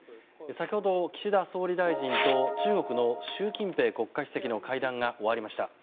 先ほど岸田総理大臣と中国の習近平国家主席の会談が終わりました。